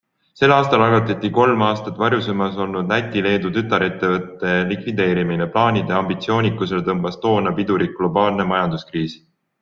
Sel aastal algatati ka kolm aastat varjusurmas olnud Läti-Leedu tütarettevõtete likvideerimine - plaanide ambitsioonikusele tõmbas toona pidurit globaalne majanduskriis.